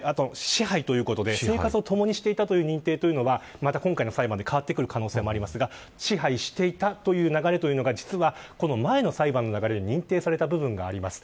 支配ということで生活をともにしていたという認定と今回の裁判で変わってくる可能性がありますが支配していた流れが実はこの前の裁判の流れで認定された部分があります。